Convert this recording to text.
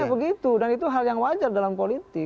ya begitu dan itu hal yang wajar dalam politik